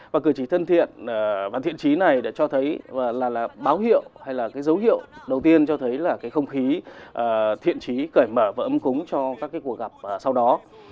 và cử chỉ thân thiện và thiện trí này đã cho thấy là báo hiệu hay là cái dấu hiệu đầu tiên cho thấy là cái không khí thiện trí cởi mở và âm cúng cho các cái cuộc gặp sau đó